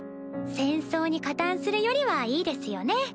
戦争に加担するよりはいいですよね。